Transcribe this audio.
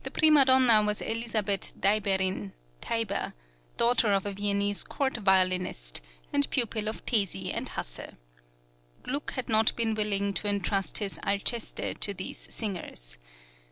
"} (69) prima donna was Elizabeth Deiberin (Teyber), daughter of a Viennese court violinist, and pupil of Tesi and Hasse. Gluck had not been willing to entrust his "Alceste" to these singers.